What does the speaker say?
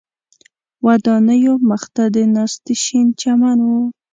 ودانیو مخ ته د ناستي شین چمن و.